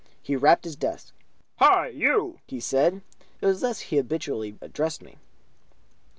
He rapped his desk. "Hi! You!" he said. It was thus that he habitually addressed me.